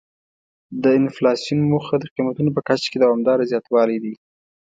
د انفلاسیون موخه د قیمتونو په کچه کې دوامداره زیاتوالی دی.